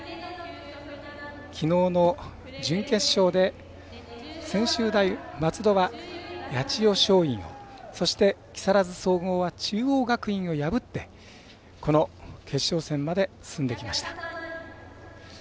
きのうの準決勝で専修大松戸は八千代松陰をそして、木更津総合は中央学院を破ってこの決勝戦まで進んできました。